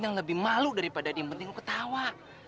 yang lebih malu daripada dimetik lu ketawa